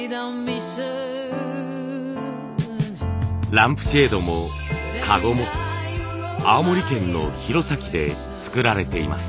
ランプシェードも籠も青森県の弘前で作られています。